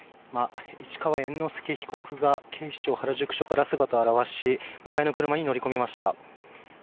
市川猿之助被告が警視庁原宿署から姿を現し迎えの車に乗り込みました。